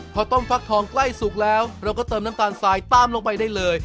พอต้มฟักทองใกล้สุกแล้วเราก็เติมน้ำตาลทรายตามลงไปได้เลย